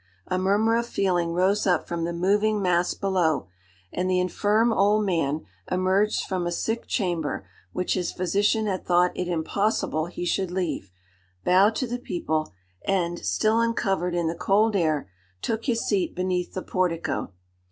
A murmur of feeling rose up from the moving mass below, and the infirm old man, emerged from a sick chamber which his physician had thought it impossible he should leave, bowed to the people, and, still uncovered in the cold air, took his seat beneath the portico.